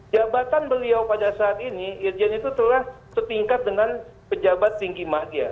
jabatan beliau pada saat ini irjen itu telah setingkat dengan pejabat tinggi madia